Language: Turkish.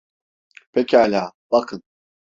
Pekala, bakın.